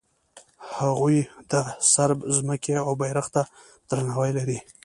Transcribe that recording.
هغوی د صرب ځمکې او بیرغ ته درناوی لري.